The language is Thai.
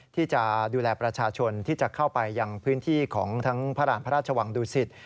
ที่จะดูแลประชาชนที่จะเข้าไปยังพื้นที่ของทั้งพระราณพระราชวังดุสิต